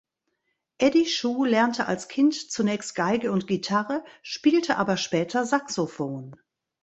Eddie Shu lernte als Kind zunächst Geige und Gitarre, spielte aber später Saxophon.